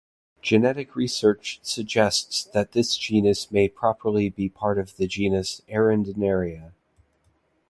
Genetic research suggests that this genus may properly be part of the genus "Arundinaria".